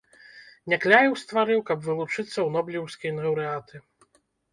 Някляеў стварыў, каб вылучыцца ў нобелеўскія лаўрэаты.